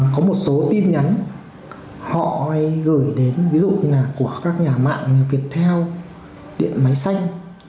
có một số tin nhắn họ gửi đến ví dụ như là của các nhà mạng việt theo điện máy xanh